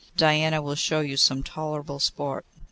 Diana will show you some tolerable sport.